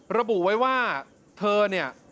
ระบุไว้ว่าเธอเนี่ย